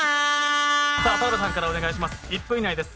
さあ、田辺さんからお願いします。